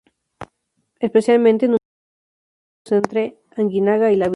Especialmente numerosos fueron los pleitos entre Aguinaga y la villa.